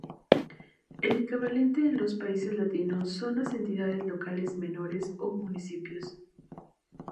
El equivalente en los países latinos son las entidades locales menores o municipios.